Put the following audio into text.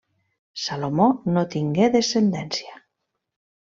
Salomó no tingué descendència.